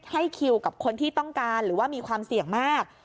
ให้คิวกับคนที่ต้องการหรือว่ามีความเสี่ยงมาก